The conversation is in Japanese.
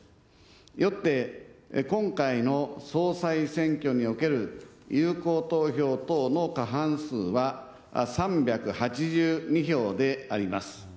よって今回の総裁選挙における有効投票等の過半数は３８２票であります。